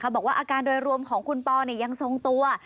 บอกว่าอาการโดยรวมของคุณปอยังทรงตัว